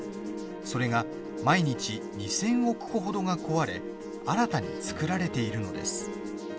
それが、毎日２０００億個ほどが壊れ、新たに作られているのです。